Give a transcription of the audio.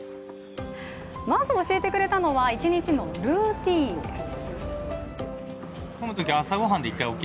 まず教えてくれたのは一日のルーティンです。